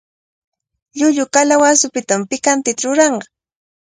Llullu kalawasapita pikantita ruranqa.